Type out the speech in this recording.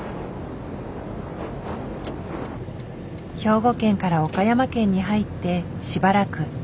兵庫県から岡山県に入ってしばらく。